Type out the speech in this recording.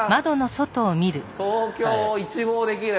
東京を一望できる。